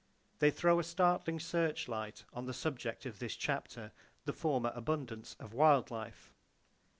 They throw a startling searchlight on the subject of this chapter,—the former abundance of wild life.